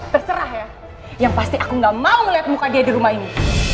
terserah ya yang pasti aku gak mau melihat muka dia di rumah ini